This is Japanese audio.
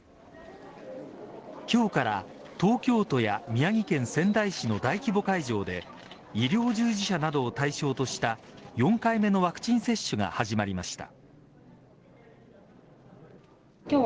今日から東京都や宮城県仙台市の大規模会場で医療従事者などを対象とした４回目のワクチン接種が始まりました。